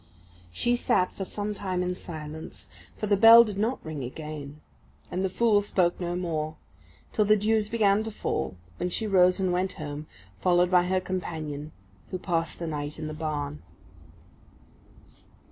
She sat for some time in silence; for the bell did not ring again, and the fool spoke no more; till the dews began to fall, when she rose and went home, followed by her companion, who passed the night in the barn.